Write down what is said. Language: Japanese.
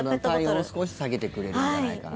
体温を少し下げてくれるんじゃないかなと。